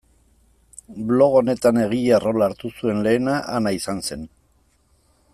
Blog honetan egile rola hartu zuen lehena Ana izan zen.